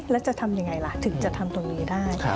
แล้วจะทำยังไงล่ะถึงจะทำตรงนี้ได้